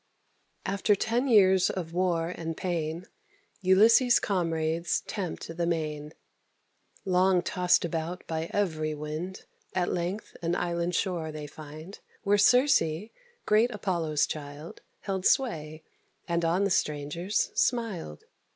After ten years of war and pain, Ulysses' comrades tempt the main; Long tost about by every wind, At length an island shore they find, Where Circe, great Apollo's child, Held sway, and on the strangers smiled.